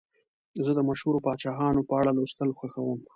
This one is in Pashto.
زه د مشهورو پاچاهانو په اړه لوستل خوښوم.